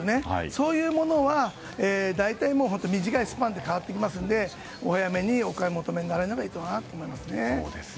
そういうものは大体、短いスパンで変わっていきますのでお早めにお買い求めになられるのがいいかなと思いますね。